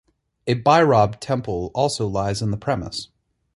A Bhairab temple also lies in the premise.